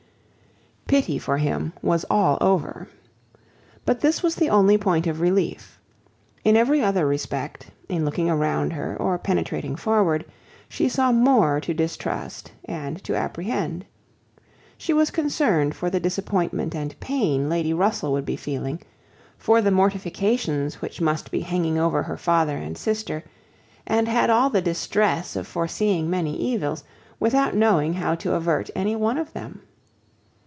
Pity for him was all over. But this was the only point of relief. In every other respect, in looking around her, or penetrating forward, she saw more to distrust and to apprehend. She was concerned for the disappointment and pain Lady Russell would be feeling; for the mortifications which must be hanging over her father and sister, and had all the distress of foreseeing many evils, without knowing how to avert any one of them.